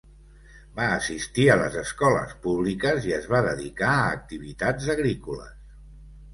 Va assistir a les escoles públiques i es va dedicar a activitats agrícoles.